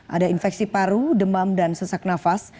ada infeksi paru demam dan sesak nafas